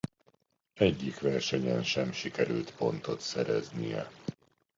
Egyik versenyen sem sikerült pontot szereznie.